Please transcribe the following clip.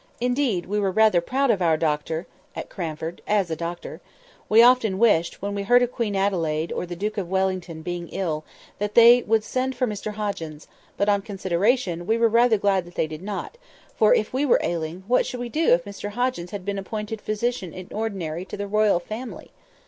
Indeed, we were rather proud of our doctor at Cranford, as a doctor. We often wished, when we heard of Queen Adelaide or the Duke of Wellington being ill, that they would send for Mr Hoggins; but, on consideration, we were rather glad they did not, for, if we were ailing, what should we do if Mr Hoggins had been appointed physician in ordinary to the Royal Family?